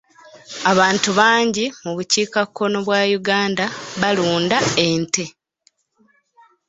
Abantu bangi mu bukiikakkono bwa Uganda balunda ente.